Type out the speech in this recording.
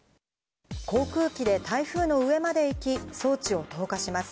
航空機で台風の上まで行き、装置を投下します。